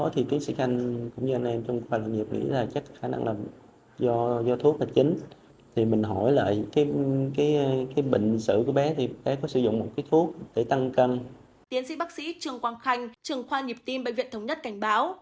tiến sĩ bác sĩ trường quang khanh trường khoa nhịp tim bệnh viện thống nhất cảnh báo